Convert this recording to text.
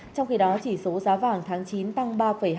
trong khi đó chỉ số giá vàng tháng chín tăng ba hai mươi năm